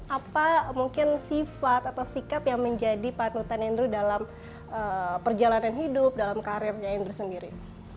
apa mungkin sifat atau sikap yang menjadi panutan andrew dalam perjalanan hidup dalam karirnya andrew sendiri